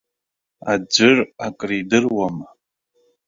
Аӡәыр акридыруама!